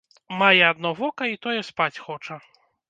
Мае адно вока і тое спаць хоча.